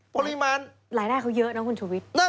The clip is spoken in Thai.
ปริมาณรายได้เขาเยอะนะคุณชุวิต